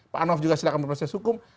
pak anof juga silahkan memperbaiki sukum